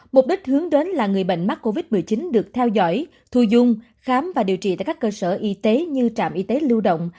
mục đích hướng đến là người bệnh mắc covid một mươi chín được theo dõi thu dung khám và điều trị tại các cơ sở y tế như trạm y tế lưu động